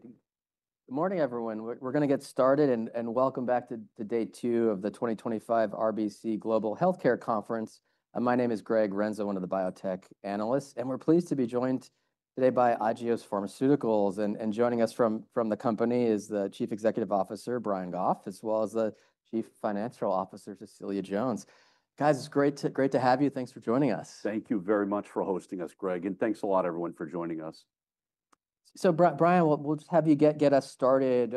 Great. Good morning, everyone. We're going to get started, and welcome back to day two of the 2025 RBC Global Healthcare Conference. My name is Greg Renzo, one of the biotech analysts, and we're pleased to be joined today by Agios Pharmaceuticals. Joining us from the company is the Chief Executive Officer, Brian Goff, as well as the Chief Financial Officer, Cecilia Jones. Guys, it's great to have you. Thanks for joining us. Thank you very much for hosting us, Greg, and thanks a lot, everyone, for joining us. Brian, we'll just have you get us started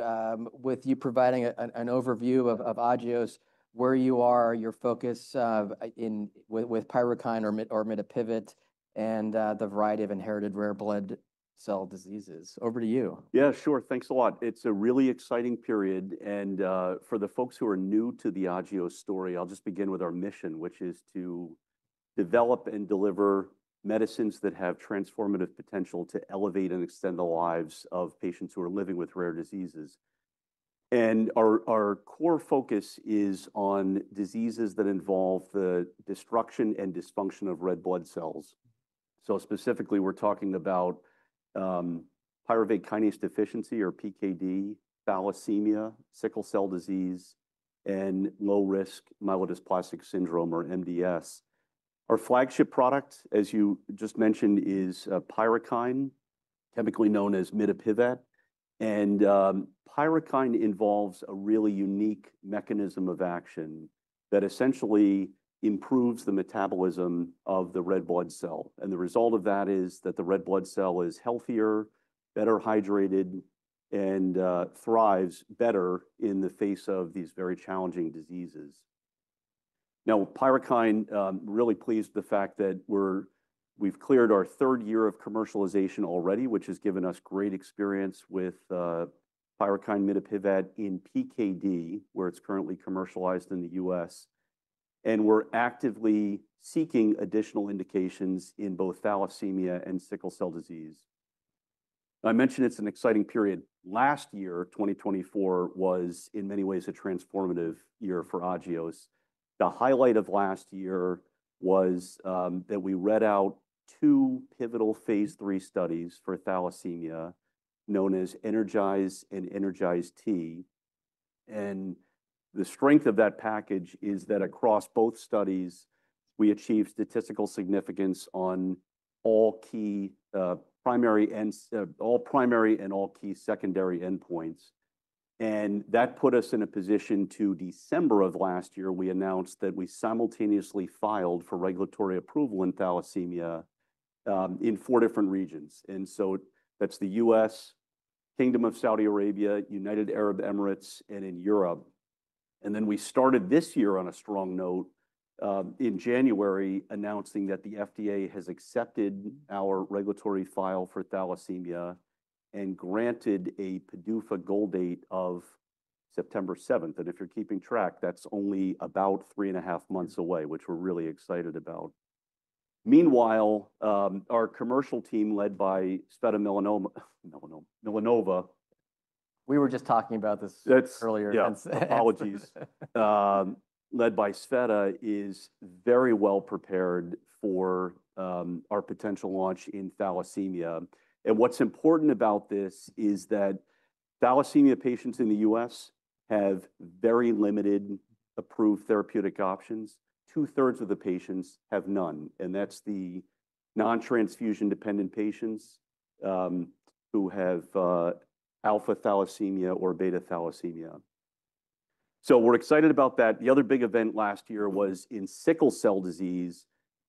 with you providing an overview of Agios, where you are, your focus with Pyrukynd or mitapivat, and the variety of inherited rare blood cell diseases. Over to you. Yeah, sure. Thanks a lot. It's a really exciting period. For the folks who are new to the Agios story, I'll just begin with our mission, which is to develop and deliver medicines that have transformative potential to elevate and extend the lives of patients who are living with rare diseases. Our core focus is on diseases that involve the destruction and dysfunction of red blood cells. Specifically, we're talking about pyruvate kinase deficiency, or PKD, thalassemia, sickle cell disease, and low-risk myelodysplastic syndrome, or MDS. Our flagship product, as you just mentioned, is Pyrukynd, chemically known as mitapivat. Pyrukynd involves a really unique mechanism of action that essentially improves the metabolism of the red blood cell. The result of that is that the red blood cell is healthier, better hydrated, and thrives better in the face of these very challenging diseases. Now, Pyrukynd, really pleased with the fact that we've cleared our third year of commercialization already, which has given us great experience with Pyrukynd mitapivat in PKD, where it's currently commercialized in the U.S. And we're actively seeking additional indications in both thalassemia and sickle cell disease. I mentioned it's an exciting period. Last year, 2024, was in many ways a transformative year for Agios. The highlight of last year was that we read out two pivotal phase III studies for thalassemia known as Energize and Energize-T. And the strength of that package is that across both studies, we achieved statistical significance on all key primary and all primary and all key secondary endpoints. That put us in a position to, December of last year, we announced that we simultaneously filed for regulatory approval in thalassemia in four different regions. That is the U.S., Kingdom of Saudi Arabia, United Arab Emirates, and in Europe. We started this year on a strong note in January, announcing that the FDA has accepted our regulatory file for thalassemia and granted a PDUFA goal date of September 7. If you are keeping track, that is only about three and a half months away, which we are really excited about. Meanwhile, our commercial team led by Tsveta Milanova. We were just talking about this earlier. Apologies. Led by Tsveta, the team is very well prepared for our potential launch in thalassemia. What's important about this is that thalassemia patients in the U.S. have very limited approved therapeutic options. Two-thirds of the patients have none. That's the non-transfusion dependent patients who have alpha thalassemia or beta thalassemia. We're excited about that. The other big event last year was in sickle cell disease.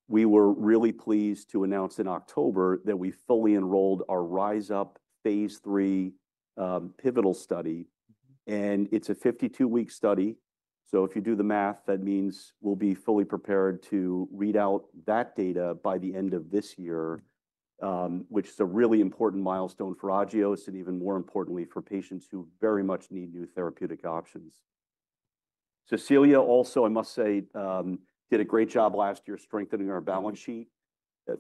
We were really pleased to announce in October that we fully enrolled our RISE UP phase III pivotal study. It's a 52-week study. If you do the math, that means we'll be fully prepared to read out that data by the end of this year, which is a really important milestone for Agios and even more importantly for patients who very much need new therapeutic options. Cecilia also, I must say, did a great job last year strengthening our balance sheet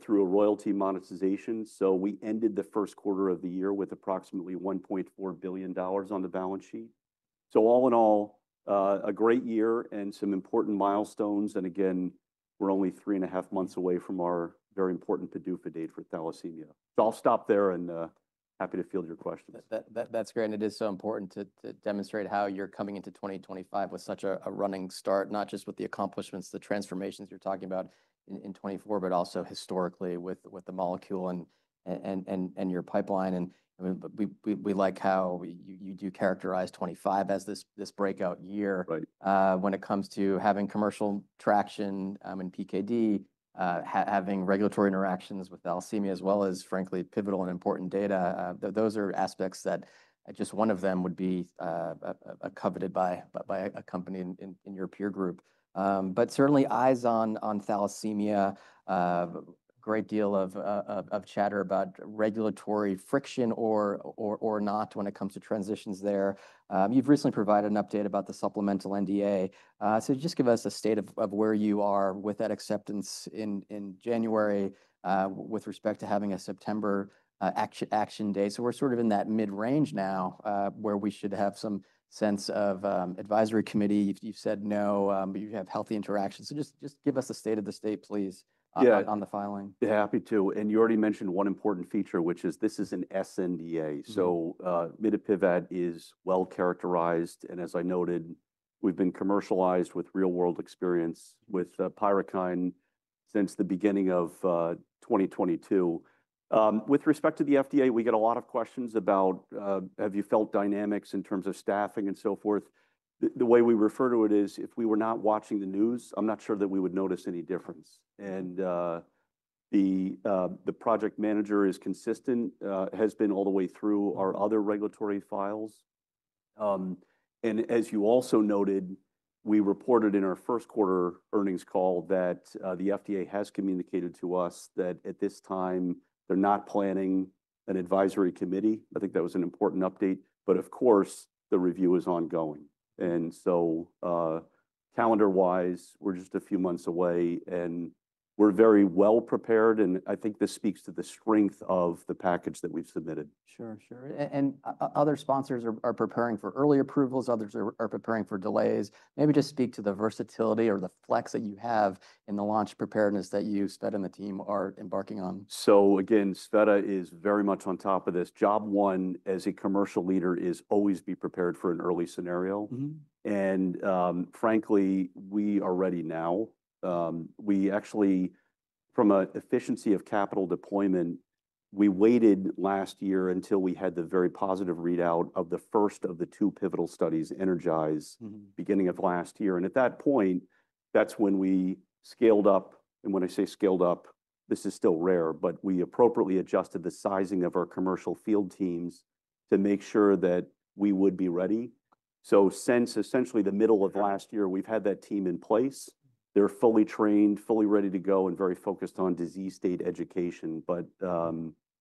through a royalty monetization. We ended the first quarter of the year with approximately $1.4 billion on the balance sheet. All in all, a great year and some important milestones. Again, we're only three and a half months away from our very important PDUFA date for thalassemia. I'll stop there and happy to field your questions. That's great. It is so important to demonstrate how you're coming into 2025 with such a running start, not just with the accomplishments, the transformations you're talking about in 2024, but also historically with the molecule and your pipeline. We like how you do characterize 2025 as this breakout year. When it comes to having commercial traction in PKD, having regulatory interactions with thalassemia, as well as, frankly, pivotal and important data, those are aspects that just one of them would be coveted by a company in your peer group. Certainly eyes on thalassemia, a great deal of chatter about regulatory friction or not when it comes to transitions there. You've recently provided an update about the supplemental NDA. Just give us a state of where you are with that acceptance in January with respect to having a September action day. We're sort of in that mid-range now where we should have some sense of advisory committee. You've said no, but you have healthy interactions. Just give us a state of the state, please, on the filing. Yeah, happy to. You already mentioned one important feature, which is this is an sNDA. So mitapivat is well characterized. As I noted, we've been commercialized with real-world experience with Pyrukynd since the beginning of 2022. With respect to the FDA, we get a lot of questions about, have you felt dynamics in terms of staffing and so forth? The way we refer to it is, if we were not watching the news, I'm not sure that we would notice any difference. The project manager is consistent, has been all the way through our other regulatory files. As you also noted, we reported in our first quarter earnings call that the FDA has communicated to us that at this time, they're not planning an advisory committee. I think that was an important update. Of course, the review is ongoing. We are just a few months away. We are very well prepared. I think this speaks to the strength of the package that we have submitted. Sure, sure. Other sponsors are preparing for early approvals. Others are preparing for delays. Maybe just speak to the versatility or the flex that you have in the launch preparedness that you've spent and the team are embarking on. Again, Tsveta is very much on top of this. Job one as a commercial leader is always be prepared for an early scenario. Frankly, we are ready now. We actually, from an efficiency of capital deployment, waited last year until we had the very positive readout of the first of the two pivotal studies, Energize, beginning of last year. At that point, that's when we scaled up. When I say scaled up, this is still rare, but we appropriately adjusted the sizing of our commercial field teams to make sure that we would be ready. Since essentially the middle of last year, we've had that team in place. They're fully trained, fully ready to go, and very focused on disease state education, but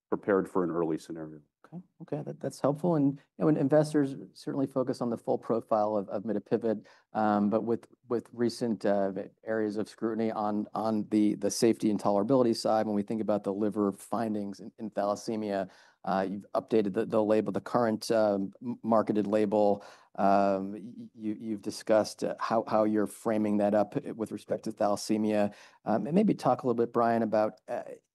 prepared for an early scenario. Okay, okay. That's helpful. Investors certainly focus on the full profile of mitapivat, but with recent areas of scrutiny on the safety and tolerability side. When we think about the liver findings in thalassemia, you've updated the label, the current marketed label. You've discussed how you're framing that up with respect to thalassemia. Maybe talk a little bit, Brian, about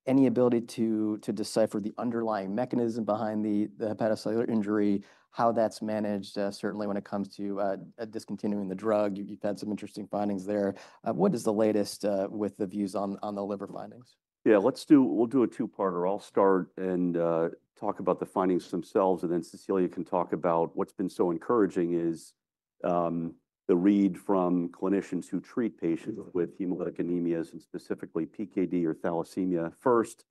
any ability to decipher the underlying mechanism behind the hepatocellular injury, how that's managed, certainly when it comes to discontinuing the drug. You've had some interesting findings there. What is the latest with the views on the liver findings? Yeah, let's do, we'll do a two-parter. I'll start and talk about the findings themselves, and then Cecilia can talk about what's been so encouraging is the read from clinicians who treat patients with hemolytic anemias, and specifically PKD or thalassemia. First,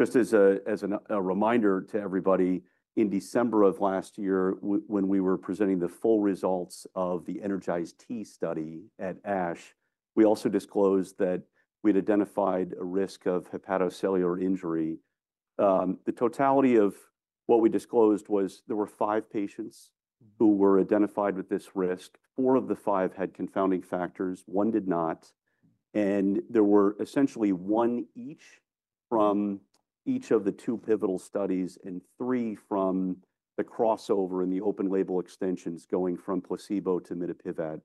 just as a reminder to everybody, in December of last year, when we were presenting the full results of the Energize-T study at ASH, we also disclosed that we'd identified a risk of hepatocellular injury. The totality of what we disclosed was there were five patients who were identified with this risk. Four of the five had confounding factors. One did not. And there were essentially one each from each of the two pivotal studies and three from the crossover in the open label extensions going from placebo to mitapivat.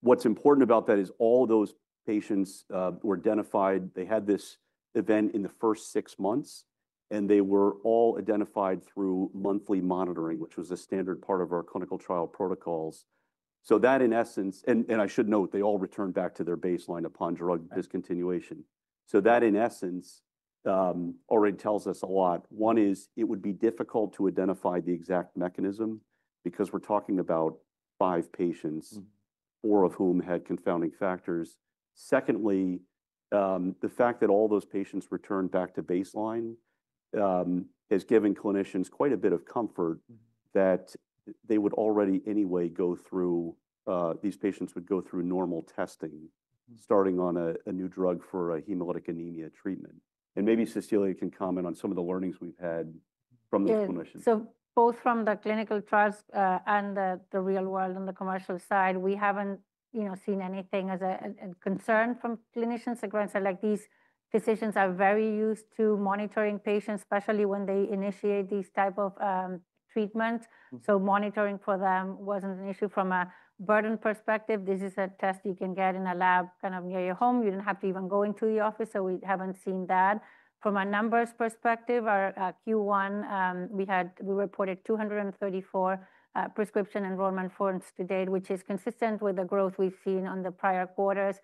What's important about that is all those patients were identified. They had this event in the first six months, and they were all identified through monthly monitoring, which was a standard part of our clinical trial protocols. That in essence, and I should note, they all returned back to their baseline upon drug discontinuation. That in essence already tells us a lot. One is it would be difficult to identify the exact mechanism because we're talking about five patients, four of whom had confounding factors. Secondly, the fact that all those patients returned back to baseline has given clinicians quite a bit of comfort that they would already anyway go through, these patients would go through normal testing starting on a new drug for a hemolytic anemia treatment. Maybe Cecilia can comment on some of the learnings we've had from the clinicians. Both from the clinical trials and the real world on the commercial side, we have not seen anything as a concern from clinicians like these. Physicians are very used to monitoring patients, especially when they initiate these types of treatments. Monitoring for them was not an issue from a burden perspective. This is a test you can get in a lab kind of near your home. You do not have to even go into the office. We have not seen that. From a numbers perspective, our Q1, we reported 234 prescription enrollment forms to date, which is consistent with the growth we have seen on the prior quarters.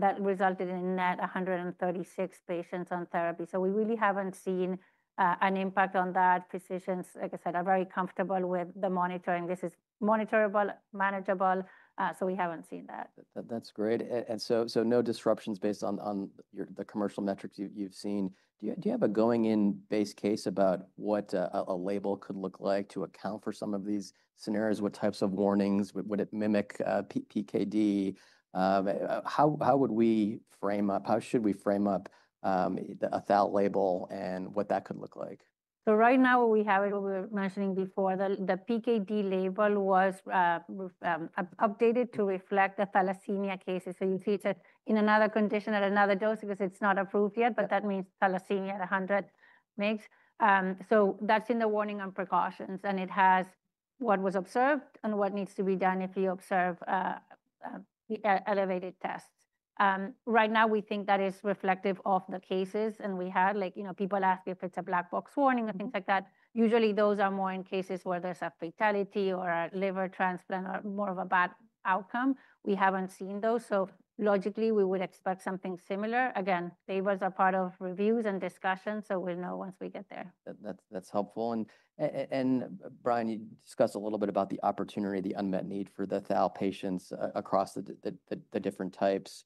That resulted in net 136 patients on therapy. We really have not seen an impact on that. Physicians, like I said, are very comfortable with the monitoring. This is monitorable, manageable. We have not seen that. That's great. No disruptions based on the commercial metrics you've seen. Do you have a going-in base case about what a label could look like to account for some of these scenarios? What types of warnings would it mimic PKD? How would we frame up, how should we frame up the ethal label and what that could look like? Right now we have it, we were mentioning before, the PKD label was updated to reflect the thalassemia cases. You see it in another condition at another dose because it's not approved yet, but that means thalassemia at 100 mg. That is in the warning and precautions. It has what was observed and what needs to be done if you observe elevated tests. Right now, we think that is reflective of the cases. We had, like, you know, people ask if it's a black box warning and things like that. Usually, those are more in cases where there's a fatality or a liver transplant or more of a bad outcome. We haven't seen those. Logically, we would expect something similar. Again, labels are part of reviews and discussions. We'll know once we get there. That's helpful. Brian, you discussed a little bit about the opportunity, the unmet need for the ethal patients across the different types.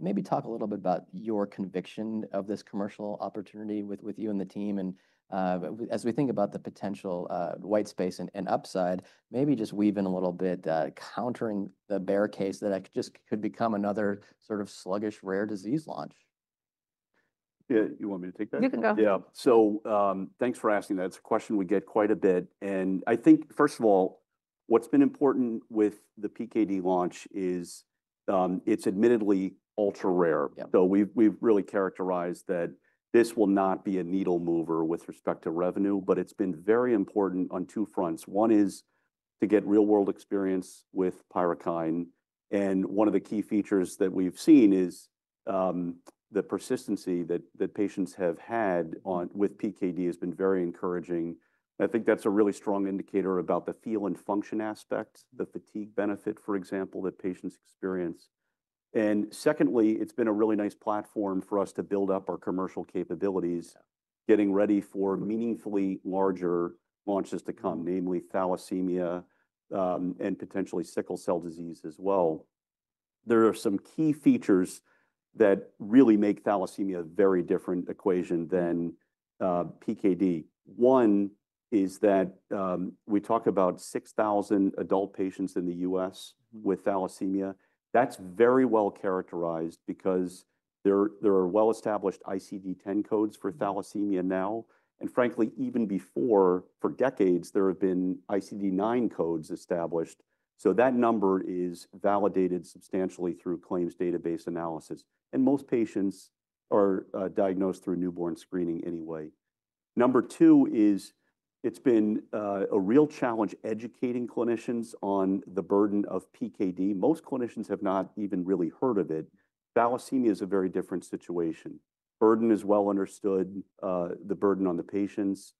Maybe talk a little bit about your conviction of this commercial opportunity with you and the team. As we think about the potential white space and upside, maybe just weave in a little bit countering the bear case that just could become another sort of sluggish rare disease launch. Yeah, you want me to take that? You can go. Yeah. Thanks for asking that. It's a question we get quite a bit. I think, first of all, what's been important with the PKD launch is it's admittedly ultra rare. We've really characterized that this will not be a needle mover with respect to revenue, but it's been very important on two fronts. One is to get real-world experience with Pyrukynd. One of the key features that we've seen is the persistency that patients have had with PKD has been very encouraging. I think that's a really strong indicator about the feel and function aspect, the fatigue benefit, for example, that patients experience. Secondly, it's been a really nice platform for us to build up our commercial capabilities, getting ready for meaningfully larger launches to come, namely thalassemia and potentially sickle cell disease as well. There are some key features that really make thalassemia a very different equation than PKD. One is that we talk about 6,000 adult patients in the U.S. with thalassemia. That is very well characterized because there are well-established ICD-10 codes for thalassemia now. Frankly, even before, for decades, there have been ICD-9 codes established. That number is validated substantially through claims database analysis. Most patients are diagnosed through newborn screening anyway. Number two is it has been a real challenge educating clinicians on the burden of PKD. Most clinicians have not even really heard of it. Thalassemia is a very different situation. Burden is well understood, the burden on the patients.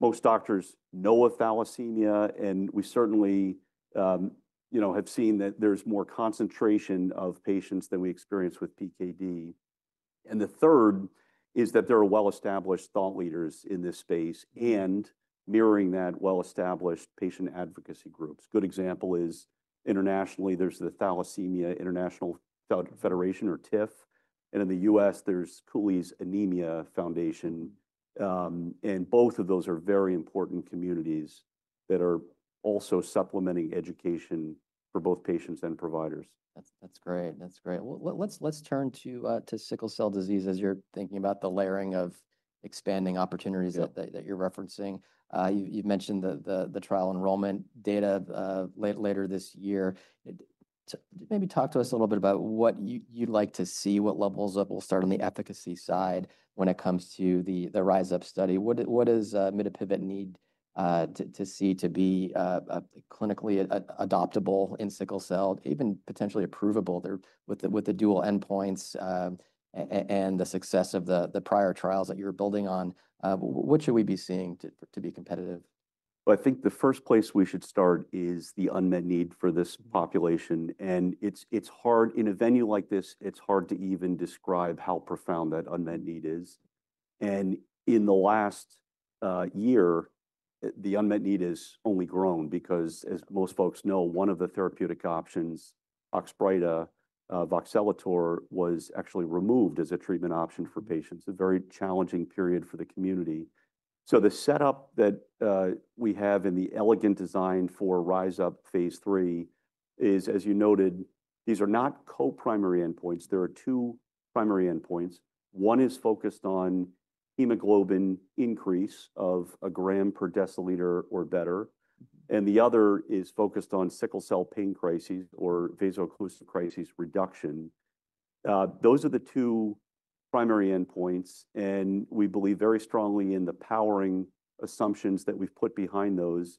Most doctors know of thalassemia. We certainly, you know, have seen that there is more concentration of patients than we experience with PKD. The third is that there are well-established thought leaders in this space and mirroring that, well-established patient advocacy groups. A good example is internationally, there's the Thalassemia International Federation or TIF. In the U.S., there's Cooley's Anemia Foundation. Both of those are very important communities that are also supplementing education for both patients and providers. That's great. That's great. Let's turn to sickle cell disease as you're thinking about the layering of expanding opportunities that you're referencing. You've mentioned the trial enrollment data later this year. Maybe talk to us a little bit about what you'd like to see, what levels up. We'll start on the efficacy side when it comes to the RISE UP study. What does mitapivat need to see to be clinically adoptable in sickle cell, even potentially approvable with the dual endpoints and the success of the prior trials that you're building on? What should we be seeing to be competitive? I think the first place we should start is the unmet need for this population. It is hard in a venue like this, it is hard to even describe how profound that unmet need is. In the last year, the unmet need has only grown because, as most folks know, one of the therapeutic options, Oxbryta, voxelotor, was actually removed as a treatment option for patients. A very challenging period for the community. The setup that we have in the elegant design for RISE UP phase III is, as you noted, these are not co-primary endpoints. There are two primary endpoints. One is focused on hemoglobin increase of a gram per deciliter or better. The other is focused on sickle cell pain crises or vaso-occlusive crises reduction. Those are the two primary endpoints. We believe very strongly in the powering assumptions that we have put behind those.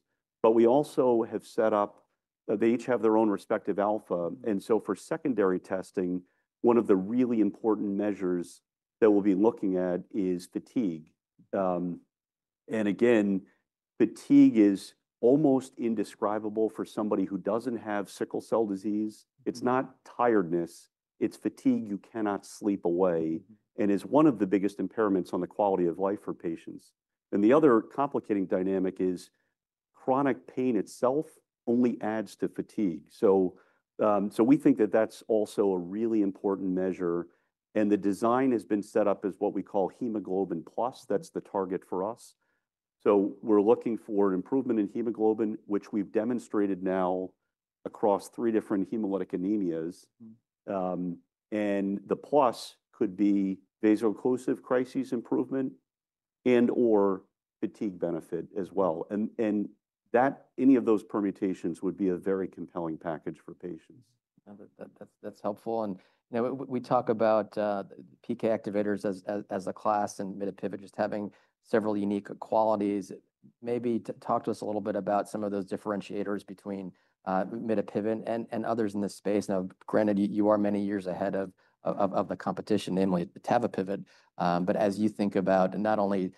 We also have set up, they each have their own respective alpha. For secondary testing, one of the really important measures that we'll be looking at is fatigue. Again, fatigue is almost indescribable for somebody who doesn't have sickle cell disease. It's not tiredness. It's fatigue you cannot sleep away. It's one of the biggest impairments on the quality of life for patients. The other complicating dynamic is chronic pain itself only adds to fatigue. We think that that's also a really important measure. The design has been set up as what we call hemoglobin plus. That's the target for us. We're looking for an improvement in hemoglobin, which we've demonstrated now across three different hemolytic anemias. The plus could be vaso-occlusive crises improvement and/or fatigue benefit as well. Any of those permutations would be a very compelling package for patients. That's helpful. We talk about PK activators as a class and mitapivat just having several unique qualities. Maybe talk to us a little bit about some of those differentiators between mitapivat and others in this space. Now, granted, you are many years ahead of the competition, namely tebapivat. As you think about not only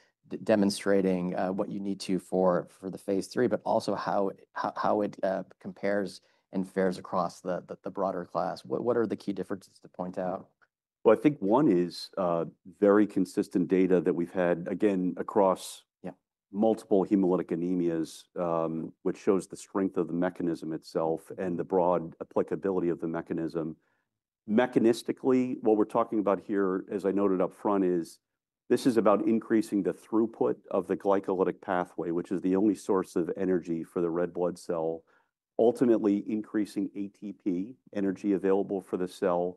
demonstrating what you need to for the phase III, but also how it compares and fares across the broader class, what are the key differences to point out? I think one is very consistent data that we've had, again, across multiple hemolytic anemias, which shows the strength of the mechanism itself and the broad applicability of the mechanism. Mechanistically, what we're talking about here, as I noted upfront, is this is about increasing the throughput of the glycolytic pathway, which is the only source of energy for the red blood cell, ultimately increasing ATP, energy available for the cell.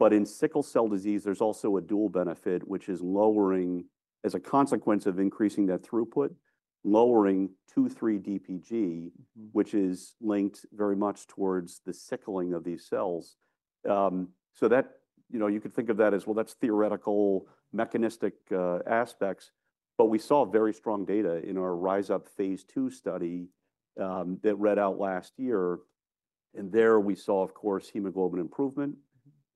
In sickle cell disease, there's also a dual benefit, which is lowering, as a consequence of increasing that throughput, lowering 2,3-DPG, which is linked very much towards the sickling of these cells. You know, you could think of that as, well, that's theoretical mechanistic aspects. We saw very strong data in our RISE UP phase II study that read out last year. There we saw, of course, hemoglobin improvement.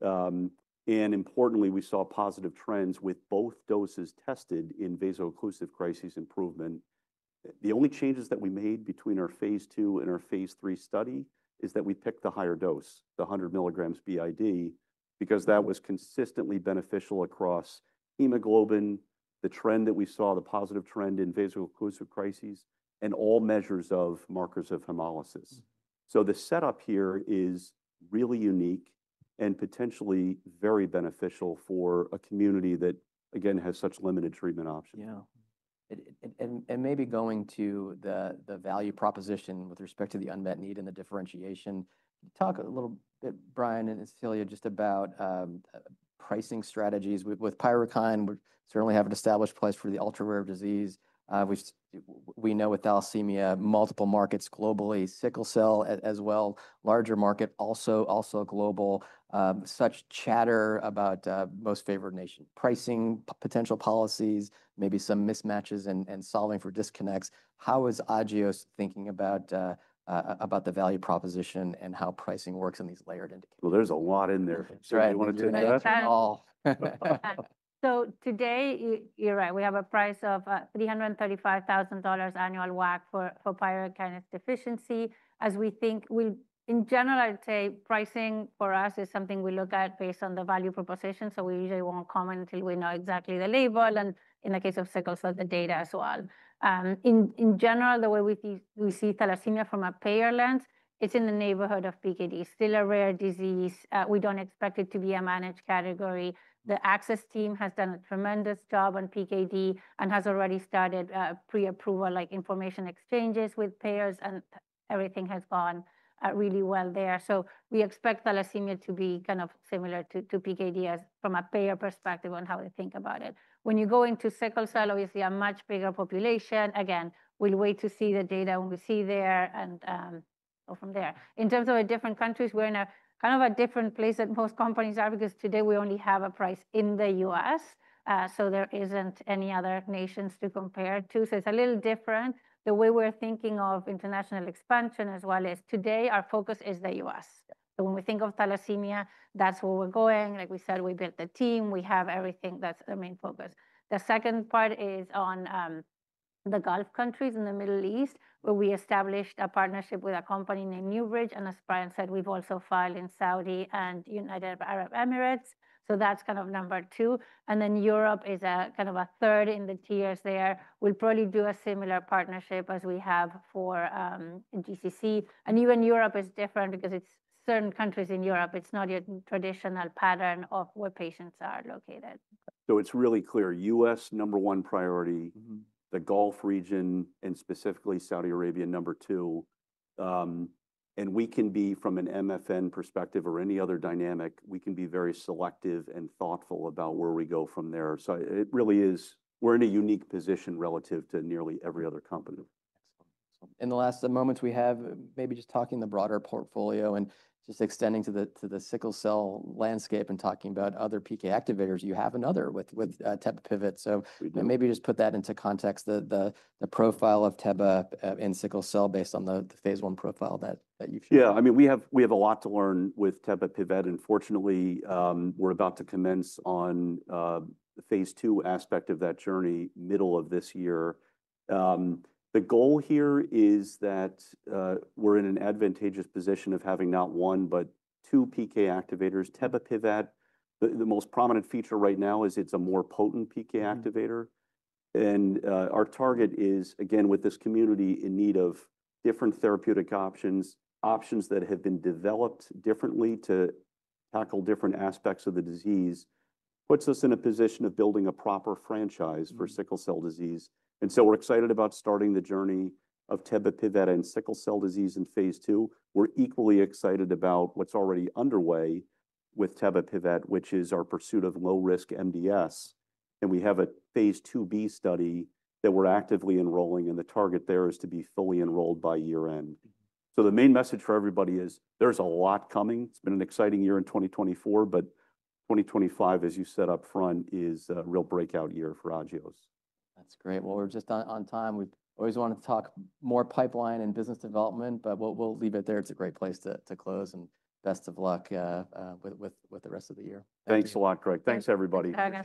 Importantly, we saw positive trends with both doses tested in vaso-occlusive crises improvement. The only changes that we made between our phase II and our phase III study is that we picked the higher dose, the 100 milligrams b.i.d. because that was consistently beneficial across hemoglobin, the trend that we saw, the positive trend in vaso-occlusive crises, and all measures of markers of hemolysis. The setup here is really unique and potentially very beneficial for a community that, again, has such limited treatment options. Yeah. Maybe going to the value proposition with respect to the unmet need and the differentiation, talk a little bit, Brian and Cecilia, just about pricing strategies with Pyrukynd. We certainly have an established place for the ultra rare disease. We know with thalassemia, multiple markets globally, sickle cell as well, larger market, also global. Such chatter about most favored nation pricing, potential policies, maybe some mismatches and solving for disconnects. How is Agios thinking about the value proposition and how pricing works in these layered indicators? There is a lot in there. Today, you're right, we have a price of $335,000 annual WAC for pyruvate kinase deficiency. As we think, in general, I'd say pricing for us is something we look at based on the value proposition. We usually won't comment until we know exactly the label and in the case of sickle cell, the data as well. In general, the way we see thalassemia from a payer lens, it's in the neighborhood of PKD. Still a rare disease. We don't expect it to be a managed category. The access team has done a tremendous job on PKD and has already started pre-approval, like information exchanges with payers, and everything has gone really well there. We expect thalassemia to be kind of similar to PKD from a payer perspective on how to think about it. When you go into sickle cell, obviously a much bigger population. Again, we'll wait to see the data when we see there and go from there. In terms of different countries, we're in a kind of a different place than most companies are because today we only have a price in the U.S. So there isn't any other nations to compare to. It is a little different. The way we're thinking of international expansion as well as today, our focus is the U.S. When we think of thalassemia, that's where we're going. Like we said, we built the team. We have everything. That's the main focus. The second part is on the Gulf countries in the Middle East, where we established a partnership with a company named NewBridge. As Brian said, we've also filed in Kingdom of Saudi Arabia and United Arab Emirates. That is kind of number two. Europe is kind of a third in the tiers there. We'll probably do a similar partnership as we have for GCC. Even Europe is different because it's certain countries in Europe. It's not your traditional pattern of where patients are located. It is really clear. U.S., number one priority. The Gulf region and specifically Saudi Arabia, number two. We can be, from an MFN perspective or any other dynamic, very selective and thoughtful about where we go from there. It really is, we are in a unique position relative to nearly every other company. In the last moments we have, maybe just talking the broader portfolio and just extending to the sickle cell landscape and talking about other PK activators, you have another with tebapivat. So maybe just put that into context, the profile of tebapivat and sickle cell based on the phase profile that you've shared. Yeah, I mean, we have a lot to learn with tebapivat. Fortunately, we're about to commence on the phase II aspect of that journey middle of this year. The goal here is that we're in an advantageous position of having not one, but two PK activators. Tebapivat, the most prominent feature right now is it's a more potent PK activator. Our target is, again, with this community in need of different therapeutic options, options that have been developed differently to tackle different aspects of the disease, puts us in a position of building a proper franchise for sickle cell disease. We're excited about starting the journey of tebapivat and sickle cell disease in phase II. We're equally excited about what's already underway with tebapivat, which is our pursuit of low-risk MDS. We have a phase II B study that we're actively enrolling in. The target there is to be fully enrolled by year-end. The main message for everybody is there's a lot coming. It's been an exciting year in 2024, but 2025, as you said upfront, is a real breakout year for Agios. That's great. We are just on time. We always want to talk more pipeline and business development, but we will leave it there. It is a great place to close. Best of luck with the rest of the year. Thanks a lot, Greg. Thanks, everybody.